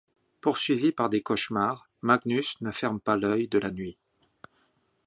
Poursuivi par des cauchemars, Magnus ne ferme pas l'œil de la nuit.